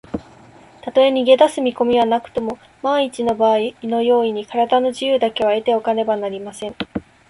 たとえ逃げだす見こみはなくとも、まんいちのばあいの用意に、からだの自由だけは得ておかねばなりません。